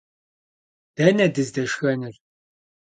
Dene dızdeşşxenur?